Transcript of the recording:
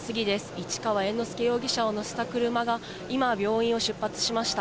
市川猿之助容疑者を乗せた車が今、病院を出発しました。